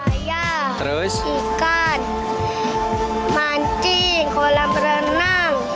buaya ikan manti kolam renang